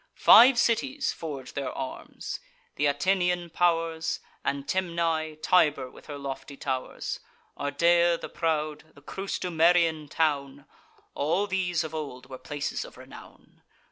Five cities forge their arms: th' Atinian pow'rs, Antemnae, Tibur with her lofty tow'rs, Ardea the proud, the Crustumerian town: All these of old were places of renown.